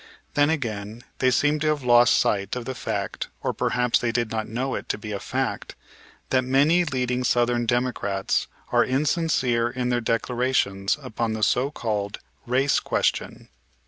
Then again, they seemed to have lost sight of the fact, or perhaps they did not know it to be a fact, that many leading southern Democrats are insincere in their declarations upon the so called race question.